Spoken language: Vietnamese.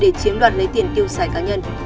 để chiếm đoạt lấy tiền tiêu xài cá nhân